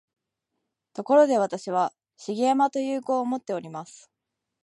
ところで、私は「重山」という号をもっております